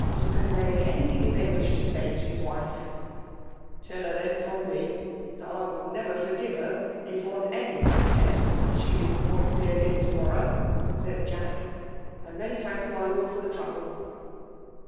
to convey anything you may wish to say to liia wife." »:•; :m' *' Tdl her> then, from me, that I wilT never iiargivB her, if, on any pretence, she dissfV points mo again to morrow/' said Jaek;*^ If and many thanks, my lord, for the trouble.'